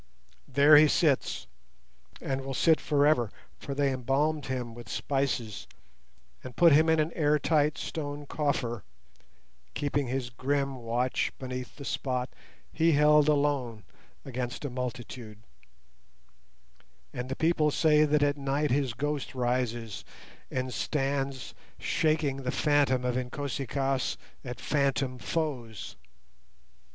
There he sits, and will sit for ever, for they embalmed him with spices, and put him in an air tight stone coffer, keeping his grim watch beneath the spot he held alone against a multitude; and the people say that at night his ghost rises and stands shaking the phantom of Inkosi kaas at phantom foes.